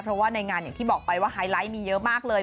เพราะว่าในงานอย่างที่บอกไปว่าไฮไลท์มีเยอะมากเลย